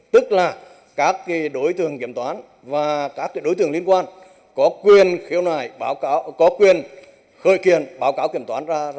tức là các cái đối tượng kiểm toán và các cái đối tượng liên quan có quyền khiếu nại có quyền khơi kiền báo cáo kiểm toán ra tòa